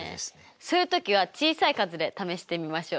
そういう時は小さい数で試してみましょう。